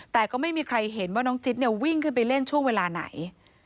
แต่ก็ไม่มีใครเห็นว่าน้องจิ๊ดเนี่ยวิ่งขึ้นไปเล่นช่วงเวลาไหน